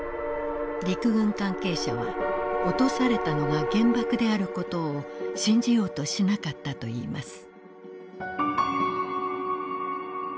陸軍関係者は落とされたのが原爆であることを信じようとしなかったといいます。